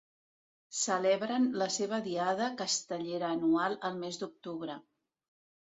Celebren la seva diada castellera anual el mes d’octubre.